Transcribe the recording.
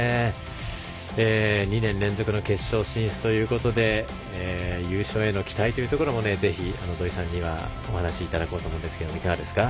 ２年連続の決勝進出ということで優勝への期待というところもぜひ土居さんにはお話いただこうと思うんですけどいかがですか？